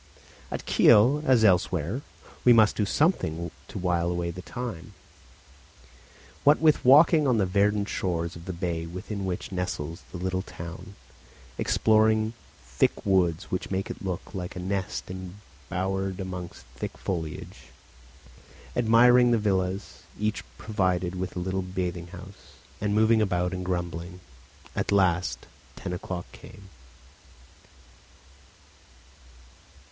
At Kiel, as elsewhere, we must do something to while away the time. What with walking on the verdant shores of the bay within which nestles the little town, exploring the thick woods which make it look like a nest embowered amongst thick foliage, admiring the villas, each provided with a little bathing house, and moving about and grumbling, at last ten o'clock came.